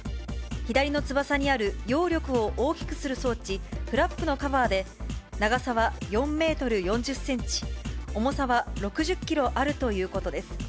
左の翼にある揚力を大きくする装置、フラップのカバーで、長さは４メートル４０センチ、重さは６０キロあるということです。